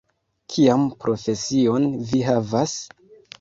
Kian profesion vi havas?